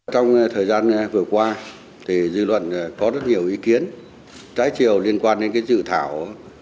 trong thời gian vừa qua dư luận có rất nhiều ý kiến trái chiều liên quan đến dự thảo